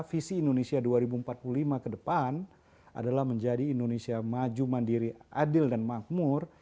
visi indonesia dua ribu empat puluh lima ke depan adalah menjadi indonesia maju mandiri adil dan makmur